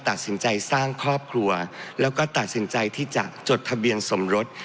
ตัดสินใจสร้างครอบครัวแล้วก็ตัดสินใจที่จะจดทะเบียนสมรส